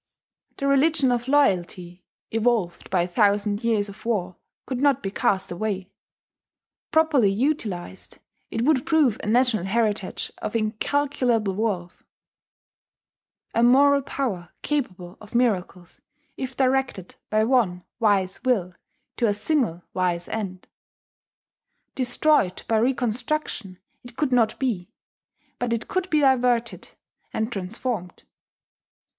The religion of loyalty, evolved by a thousand years of war, could not be cast away properly utilized, it would prove a national heritage of incalculable worth, a moral power capable of miracles if directed by one wise will to a single wise end. Destroyed by reconstruction it could not be; but it could be diverted and transformed.